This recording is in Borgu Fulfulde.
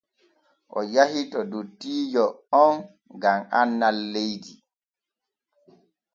O yahi to dottiijo on gam annal leydi.